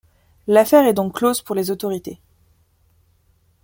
L'affaire est donc close pour les autorités.